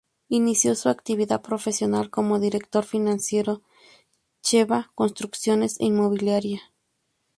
Inició su actividad profesional como Director financiero de Sheba Construcciones e Inmobiliaria.